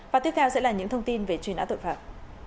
và tiếp theo sẽ là những thông tin về truy nã tội phạm